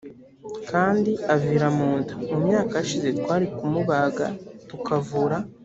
kandi avira mu nda mu myaka yashize twari kumubaga tukavura